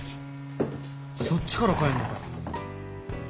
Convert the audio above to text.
そっちから帰んのかよ。